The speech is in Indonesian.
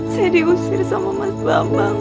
saya diusir sama mas bambang